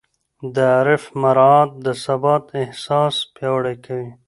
د عرف مراعات د ثبات احساس پیاوړی کوي.